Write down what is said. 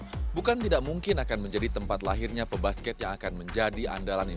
the bucketlist yang awalnya adalah proyek pribadi yang berangkat dari hobi dan fashion